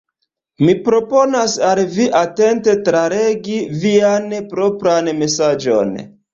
Mi proponas al vi atente tralegi vian propran mesaĝon.